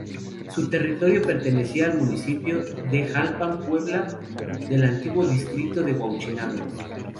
Su territorio pertenecía al municipio de Jalpan Puebla, del antiguo Distrito de Huauchinango.